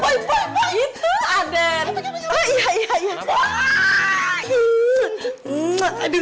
balik buddy jadinya nih